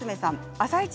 「あさイチ」